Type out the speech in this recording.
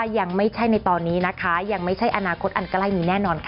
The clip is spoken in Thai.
ตอนนี้โกลของเราคือทำงานมองค่ะตอนนี้ไม่ได้พลิก